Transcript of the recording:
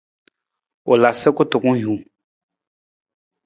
U la sa kutukun hiwung.